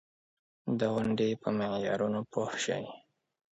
ازادي راډیو د کلتور د ارتقا لپاره نظرونه راټول کړي.